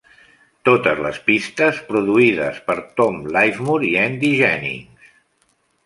Totes les pistes produïdes per Tom Livemore i Andy Jennings.